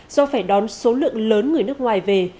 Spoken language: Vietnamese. do phải đón số lượng lớn người nước ngoài về